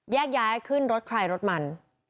แยกย้ายขึ้นรถคลายรถมัน